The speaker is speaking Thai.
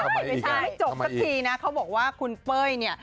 ไม่ใช่ไม่จบสักทีนะเขาบอกว่าคุณเป้ยเนี่ย